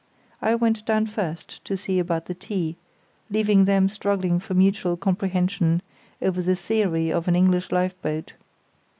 I went down first to see about the tea, leaving them struggling for mutual comprehension over the theory of an English lifeboat.